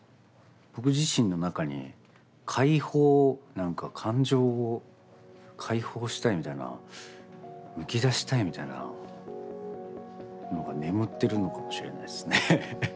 僕自身の中に解放なんか感情を解放したいみたいなむき出したいみたいなのが眠ってるのかもしれないですね。